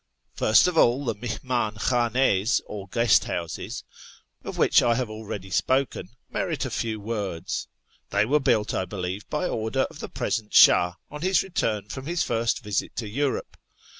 First of all the milimdn khd'tTAs, or guest houses, of which FROM TABRIZ TO TEHERAN 79 I have already spoken, merit a few words. They were built, I believe, by order of the present Shah on his return from his first visit to Europe.